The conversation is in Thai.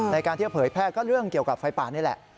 ในการที่จะเผยแพร่ก็เรื่องเกี่ยวกับไฟป่านี่แหละ